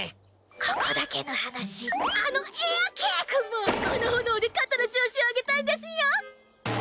ここだけの話あのエアＫくんもこの炎で肩の調子を上げたんですよ。